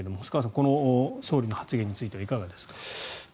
この総理の発言についてはいかがですか。